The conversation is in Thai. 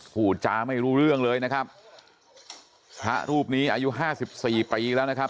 พูดจาไม่รู้เรื่องเลยนะครับพระรูปนี้อายุห้าสิบสี่ปีแล้วนะครับ